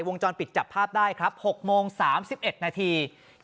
วงจรปิดจับภาพได้ครับ๖โมง๓๑นาที